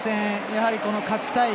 やはり勝ちたい。